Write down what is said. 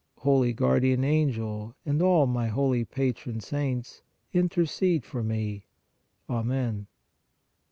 Holy Guardian Angel and all my holy Patron Saints, intercede for me. Amen.